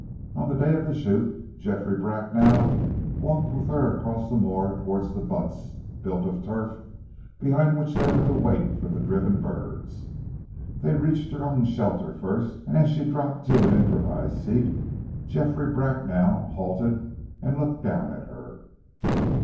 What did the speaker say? On the day of the shoot, Geoffrey Bracknell walked with her across the moor towards the "butts" built of turf and behind which they were to wait for the driven birds. They reached her own shelter first, and as she dropped to an improvised seat, Geoffrey Bracknell halted and looked down at her.